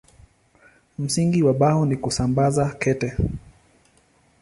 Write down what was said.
Msingi wa Bao ni kusambaza kete.